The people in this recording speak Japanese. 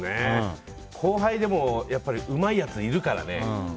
後輩でもうまいやつがいるからね。